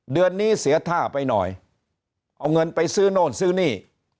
เดือนนี้เสียท่าไปหน่อยเอาเงินไปซื้อโน่นซื้อนี่